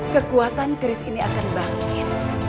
kekuatan geris ini akan mengembangkan